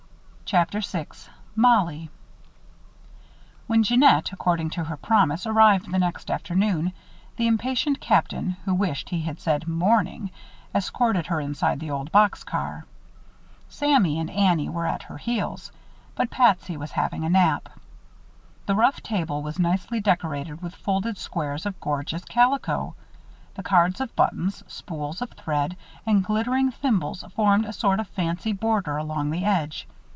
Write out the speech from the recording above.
CHAPTER VI MOLLIE When Jeannette, according to her promise, arrived the next afternoon, the impatient Captain, who wished he had said morning, escorted her inside the old box car. Sammy and Annie were at her heels; but Patsy was having a nap. The rough table was nicely decorated with folded squares of gorgeous calico. The cards of buttons, spools of thread, and glittering thimbles formed a sort of fancy border along the edge.